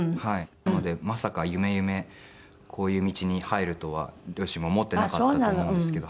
なのでまさかゆめゆめこういう道に入るとは両親も思っていなかったと思うんですけど。